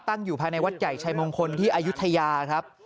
ตั้งอยู่ภายในวัดใหญ่ชัยมงคลที่อายุทยาครับ